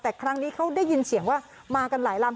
แต่ครั้งนี้เขาได้ยินเสียงว่ามากันหลายลำ